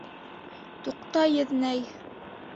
Туҡта, еҙнәй.